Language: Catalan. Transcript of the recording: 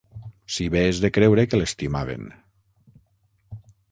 Si bé es de creure que l'estimaven